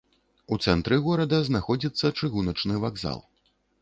У цэнтры горада знаходзіцца чыгуначны вакзал.